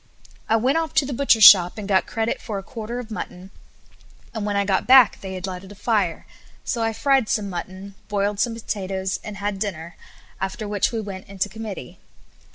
I went off to the butcher's shop, and got credit for a quarter of mutton; and when I got back they had lighted a fire, so I fried some mutton, boiled some potatoes, and had dinner; after which we went into committee.